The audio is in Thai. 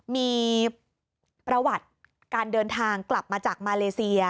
มีประวัติการเดินทางกลับมาจากมาเลเซีย